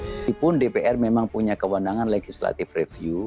meskipun dpr memang punya kewenangan legislative review